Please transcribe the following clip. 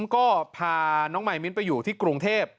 ก็พาน้องมายมิ้นไปอยู่ที่กรุงเทพ